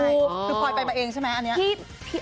คือพลอยไปมาเองใช่ไหมอันนี้